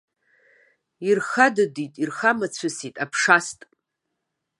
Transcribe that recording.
Ирхадыдит, ирхамацәысит, аԥша аст.